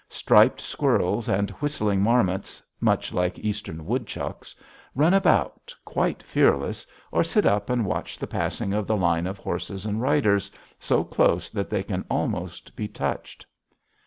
Striped squirrels and whistling marmots, much like Eastern woodchucks, run about, quite fearless, or sit up and watch the passing of the line of horses and riders, so close that they can almost be touched.